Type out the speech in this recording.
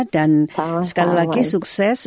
dan sekali lagi sukses